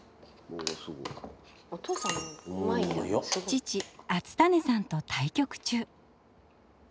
父敦胤さんと対局中。